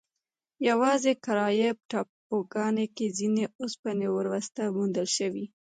یواځې کارایب ټاپوګانو کې ځینې اوسپنې وروسته موندل شوې.